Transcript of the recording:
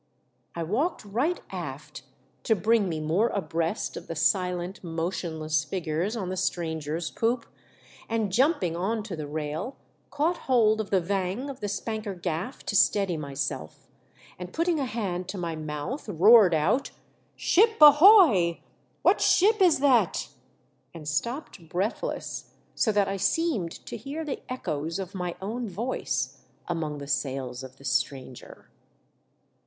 I walked risfht aft to brino me more abreast of the silent motionless figures on the stranger's poop, and jumping on to the rail caught hold of the vang of the spanker gaff to steady myself, and putting a hand to my mouth, roared out, " Ship ahoy ! What ship is that ?" and stopped breathless, so that I seemed to hear the echoes of my own voice amonof the sails of the strano er.